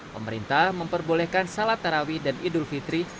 pemerintah memperbolehkan salat tarawih dan idul fitri